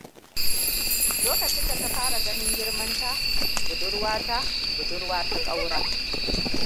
Lokacin da ta fara ganin girmanta, budurwa ta budurwa ta ƙaura.